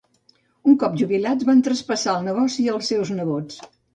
Un cop jubilats van traspassar el negoci als seus nebots.